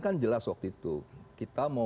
kan jelas waktu itu kita mau